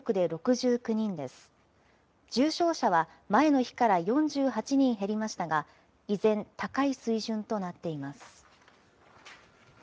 重症者は前の日から４８人減りましたが、依然、高い水準となっています。